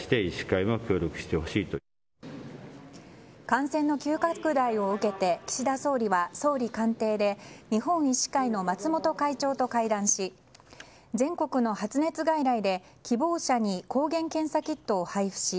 感染の急拡大を受けて岸田総理は総理官邸で日本医師会の松本会長と会談し全国の発熱外来で希望者に抗原検査キットを配布し